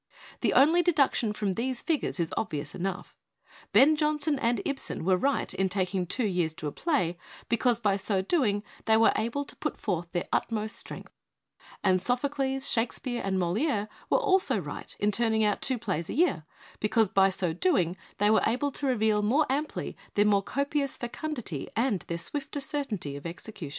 The only deduction from these figures is obvious enough. Ben Jonson and Ibsen were right in taking two yeajs to a play, because by so doing they were able to put forth their utmost strength ; and Sophocles, Shakspere and Moliere were also right in turning out two plays a year, because by so doing they were able to reveal more amply their more copious fecundity and their swifter certainty of execution.